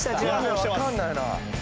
わかんないな。